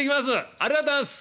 ありがとうございます！